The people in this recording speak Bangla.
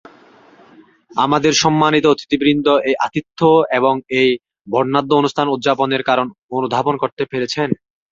আমাদের সম্মানিত অতিথিবৃন্দ এই আতিথ্য এবং এই বর্ণাঢ্য অনুষ্ঠান উদযাপনের কারণ অনুধাবন করতে পেরেছেন?